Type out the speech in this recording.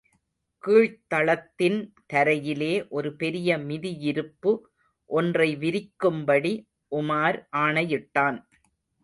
கீழ்த் தளத்தின் தரையிலே ஒரு பெரிய மிதியிருப்பு ஒன்றை விரிக்கும்படி உமார் ஆணையிட்டான்.